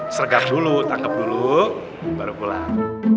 sergam dulu tangkap dulu baru pulang